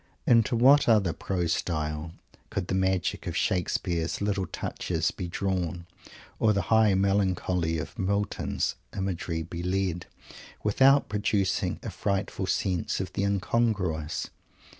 Into what other prose style could the magic of Shakespeare's "little touches" be drawn, or the high melancholy of Milton's imagery be led, without producing a frightful sense of the incongruous?